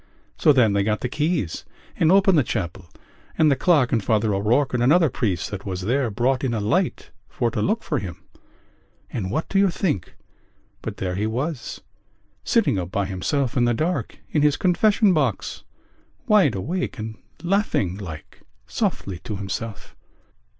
So then they got the keys and opened the chapel and the clerk and Father O'Rourke and another priest that was there brought in a light for to look for him.... And what do you think but there he was, sitting up by himself in the dark in his confession box, wide awake and laughing like softly to himself?"